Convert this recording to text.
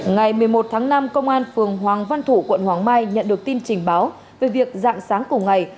ngày một mươi một tháng năm công an phường hoàng văn thủ quận hoàng mai nhận được tin trình báo về việc dạng sáng cùng ngày